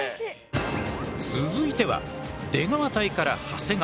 続いては出川隊から長谷川。